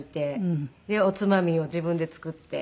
でおつまみを自分で作って。